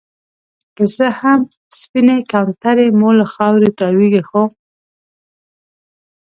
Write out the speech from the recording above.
که څه هم سپينې کونترې مو له خاورې تاويږي ،خو